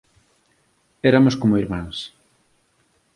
Eramos como irmáns